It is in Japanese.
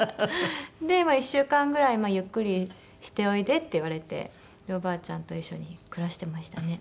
で「１週間ぐらいゆっくりしておいで」って言われておばあちゃんと一緒に暮らしてましたね。